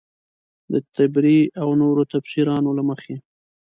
د طبري او نورو تفیسیرونو له مخې.